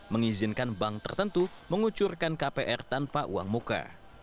mengizinkan bank tertentu mengucurkan kpr tanpa uang muka